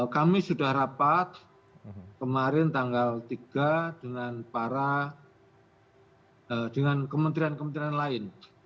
kami sudah rapat kemarin tanggal tiga dengan para dengan kementerian kementerian lain